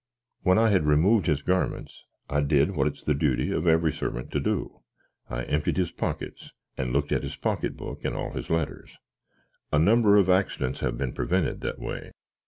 When I had removed his garmints, I did what it's the doty of every servant to do I emtied his pockits, and looked at his pockit book and all his letters: a number of axdents have been prevented that way.